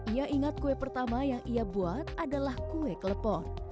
ia ingat kue pertama yang ia buat adalah kue kelepon